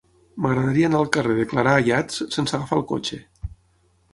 M'agradaria anar al carrer de Clarà Ayats sense agafar el cotxe.